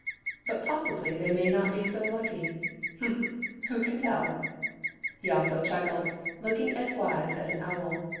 But possibly they may not be so lucky — who can tell ?" He also chuckled, looking as wise as an owl.